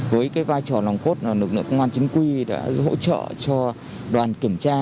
với vai trò nòng cốt nợ công an chính quy đã hỗ trợ cho đoàn kiểm tra